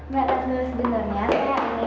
beres dulu sebenarnya nani